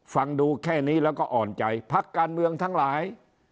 ฟังดูแค่นี้แล้วก็อ่อนใจพักการเมืองทั้งหลาย